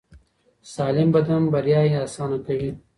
سالم بدن بریا اسانه کوي.